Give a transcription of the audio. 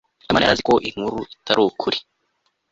habimana yari azi ko inkuru itari ukuri